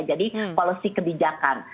jadi policy kebijakan